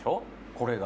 これが・